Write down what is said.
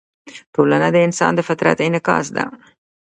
ټولنه د انسان د فطرت انعکاس ده.